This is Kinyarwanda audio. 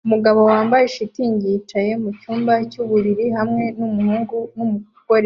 Umugabo wambaye shitingi yicaye mucyumba cyubururu hamwe numuhungu numugore